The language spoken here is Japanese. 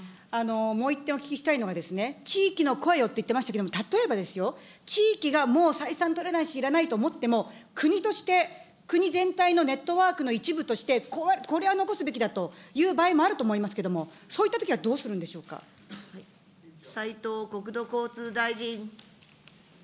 もう一点お聞きしたいのは、地域の声をって言ってましたけれども、例えばですよ、地域がもう採算取れないし、いらないと思っても国として、国全体のネットワークの一部として、これは残すべきだという場合もあると思いますけれども、そういっ斉藤国土交通大臣。